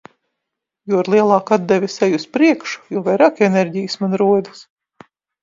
Jo ar lielāku atdevi es eju uz priekšu, jo vairāk enerģijas man rodas.